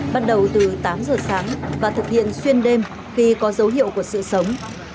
bắt đầu từ tám giờ sáng và thực hiện xuyên đêm khi có dấu hiệu của sự sống